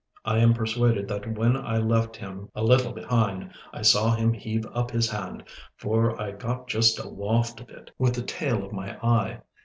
I am persuaded that when I left him a little behind, I saw him heave up his hand, for I got just a waft of it with the tail of my eye.